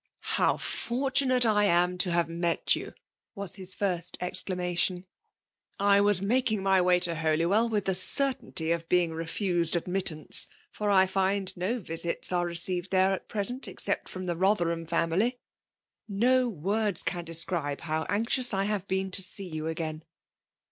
<' How fortunate I am to have met yoa f was his first exclamation. '* I was making my way to Holywell with the certainty of hcing refused admittance; for I find no vi^ts are received there at present, except from the Botherham family. No words can describe how anxious I have been to see you again